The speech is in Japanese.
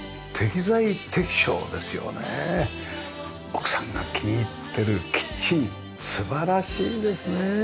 奥さんが気に入っているキッチン素晴らしいですね。